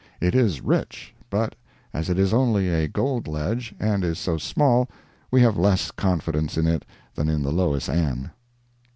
It is rich, but as it is only a gold ledge, and is so small, we have less confidence in it than in the Lois Ann.